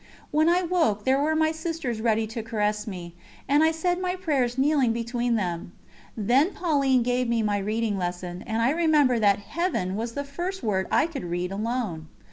When I woke there were my sisters ready to caress me, and I said my prayers kneeling between them. Then Pauline gave me my reading lesson, and I remember that "Heaven" was the first word I could read alone.